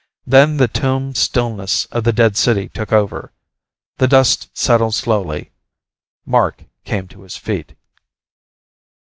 Then the tomb stillness of the dead city took over. The dust settled slowly. Mark came to his feet.